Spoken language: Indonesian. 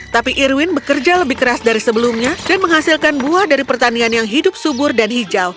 tapi irwin bekerja lebih keras dari sebelumnya dan menghasilkan buah dari pertanian yang hidup subur dan hijau